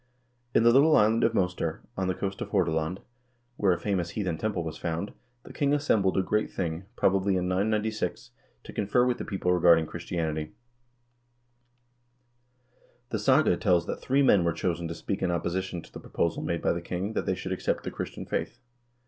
186 HISTORY OF THE NORWEGIAN PEOPLE famous heathen temple was found, the king assembled a great thing, probably in 996, to confer with the people regarding Christianity. The saga * tells that three men were chosen to speak in opposition to the proposal made by the king that they should accept the Christian faith.